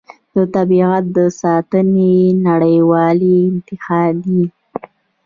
د طبیعت د ساتنې نړیوالې اتحادیې